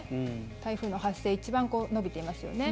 台風の発生が一番伸びていますよね。